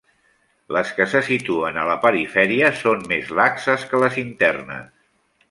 Les que se situen a la perifèria són més laxes que les internes.